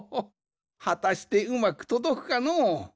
はたしてうまくとどくかのう。